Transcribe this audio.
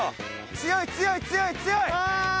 強い強い強い強い！